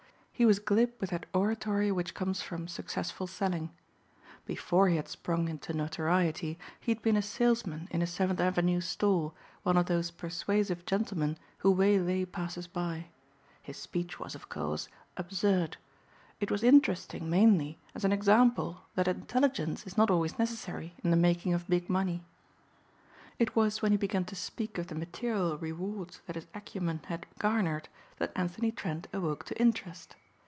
He was glib with that oratory which comes from successful selling. Before he had sprung into notoriety he had been a salesman in a Seventh Avenue store, one of those persuasive gentlemen who waylay passersby. His speech was, of course, absurd. It was interesting mainly as an example that intelligence is not always necessary in the making of big money. It was when he began to speak of the material rewards that his acumen had garnered, that Anthony Trent awoke to interest.